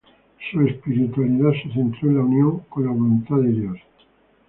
Su espiritualidad se centró en la unión con la Voluntad de Dios.